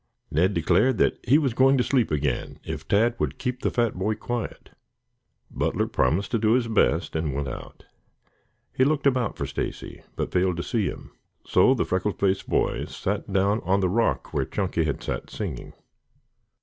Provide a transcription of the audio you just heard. Ned declared that he was going to sleep again if Tad would keep the fat boy quiet. Butler promised to do his best and went out. He looked about for Stacy but failed to see him, so the freckle faced boy sat down on the rock where Chunky had sat singing.